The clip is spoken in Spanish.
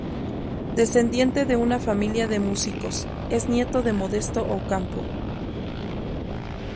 Descendiente de una familia de músicos, es nieto de Modesto Ocampo.